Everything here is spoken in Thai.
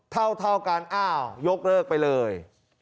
เท่ากันอ้าวยกเลิกไปเลย